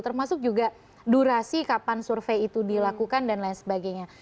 termasuk juga durasi kapan survei itu dilakukan dan lain sebagainya